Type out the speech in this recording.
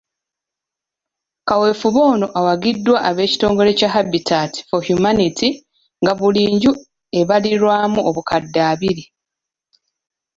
Kaweefube ono awagiddwa ab'ekitongole kya Habitat for Humanity nga buli nju ebalirirwamu obukadde abiri.